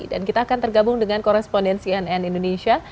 dan kita akan tergabung dengan korespondensi nn indonesia